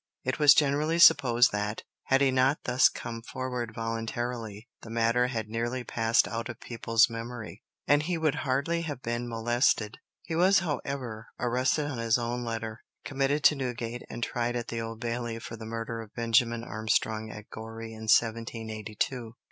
It was generally supposed that, had he not thus come forward voluntarily, the matter had nearly passed out of people's memory, and he would hardly have been molested. He was, however, arrested on his own letter, committed to Newgate, and tried at the Old Bailey for the murder of Benjamin Armstrong at Goree in 1782.